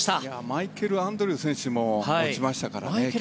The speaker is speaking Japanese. マイケル・アンドリュー選手も落ちましたからね。